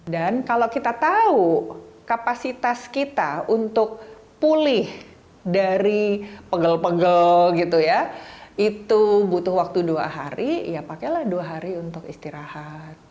dan kalau kita tahu kapasitas kita untuk pulih dari pegel pegel gitu ya itu butuh waktu dua hari ya pakailah dua hari untuk istirahat